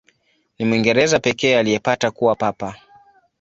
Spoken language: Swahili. Ni Mwingereza pekee aliyepata kuwa Papa.